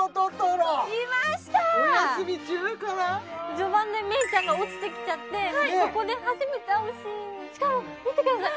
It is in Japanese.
序盤でメイちゃんが落ちてきちゃってそこで初めて会うシーンしかも見てください！